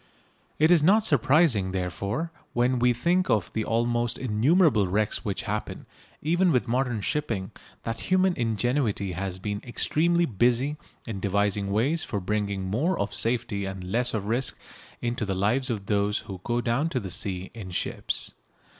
It is not surprising, therefore, when we think of the almost innumerable wrecks which happen, even with modern shipping, that human ingenuity has been extremely busy in devising ways for bringing more of safety and less of risk into the lives of those who go down to the sea in ships.